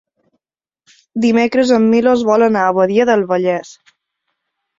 Dimecres en Milos vol anar a Badia del Vallès.